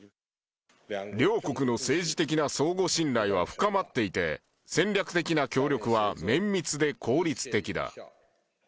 両国の政治的な相互信頼は深まっていて、戦略的な協力は綿密で効率的だ。